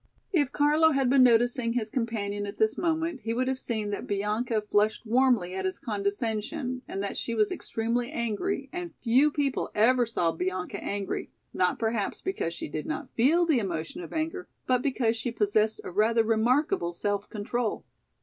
If Carlo had been noticing his companion at this moment, he would have seen that Bianca flushed warmly at his condescension, and that she was extremely angry, and few people ever saw Bianca angry, not perhaps because she did not feel the emotion of anger, but because she possessed a rather remarkable self control.